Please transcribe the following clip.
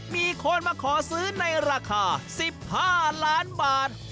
มีคนมาขอซื้อในราคา๑๕ล้านบาท